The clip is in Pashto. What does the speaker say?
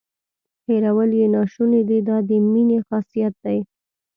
هیرول یې ناشونې دي دا د مینې خاصیت دی.